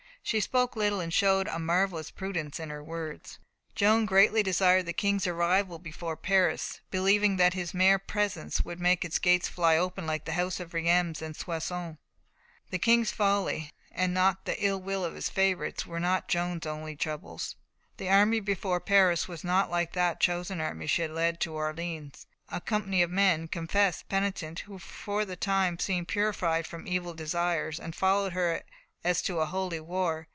"She spoke little, and showed a marvellous prudence in her words." Joan greatly desired the King's arrival before Paris, believing that his mere presence would make its gates fly open like those of Reims and Soissons. The King's folly and the ill will of his favourites were not Joan's only troubles. The army before Paris was not like that chosen army she had led to Orleans, a company of men "confessed, penitent," who for the time seemed purified from evil desires, and followed her as to a holy war.